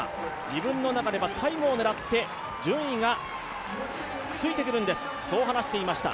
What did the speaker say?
自分の中ではタイムを狙って順位がついてくるんです、そう話していました。